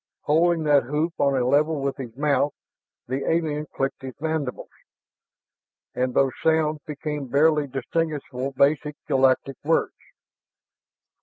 Holding that hoop on a level with his mouth, the alien clicked his mandibles, and those sounds became barely distinguishable basic galactic words.